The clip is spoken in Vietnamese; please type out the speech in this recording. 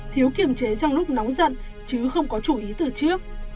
thiếu kiềm chế trong lúc nóng giận chứ không có chú ý từ trước